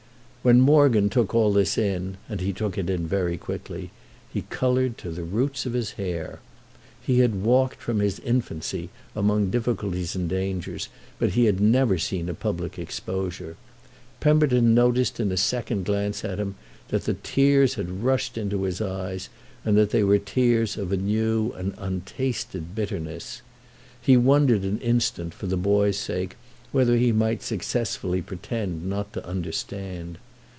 When Morgan took all this in—and he took it in very quickly—he coloured to the roots of his hair. He had walked from his infancy among difficulties and dangers, but he had never seen a public exposure. Pemberton noticed in a second glance at him that the tears had rushed into his eyes and that they were tears of a new and untasted bitterness. He wondered an instant, for the boy's sake, whether he might successfully pretend not to understand.